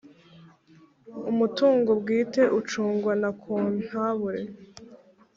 Umutungo Bwite ucungwa na contabure.